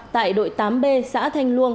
tại đội tám b xã thanh luông